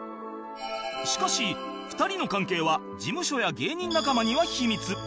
しかし２人の関係は事務所や芸人仲間には秘密